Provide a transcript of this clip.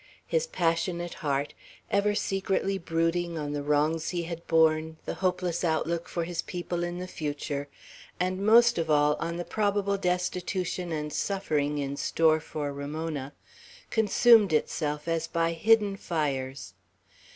His passionate heart, ever secretly brooding on the wrongs he had borne, the hopeless outlook for his people in the future, and most of all on the probable destitution and suffering in store for Ramona, consumed itself as by hidden fires.